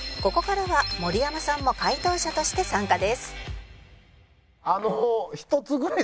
ここからは盛山さんも解答者として参加です